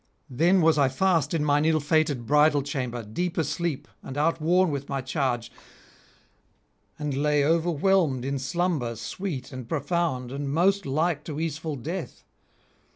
Then was I fast in mine ill fated bridal chamber, deep asleep and outworn with my charge, and lay overwhelmed in slumber sweet and profound and most like to easeful death.